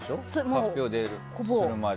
発表するまで。